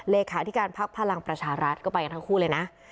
เลขาธิการพักพลังประชารัฐก็ไปกันทั้งคู่เลยนะ